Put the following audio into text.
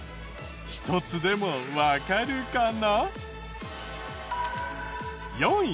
１つでもわかるかな？